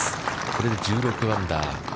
これで１６アンダー。